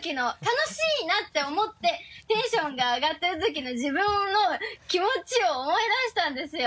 楽しいなって思ってテンションが上がってるときの自分の気持ちを思い出したんですよ。